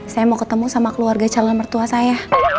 saya mau ketemu sama keluarga calon mertua saya